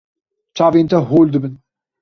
Çavên te hol dibin.